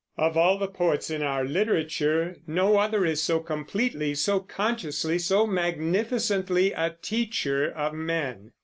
Of all the poets in our literature, no other is so completely, so consciously, so magnificently a teacher of men.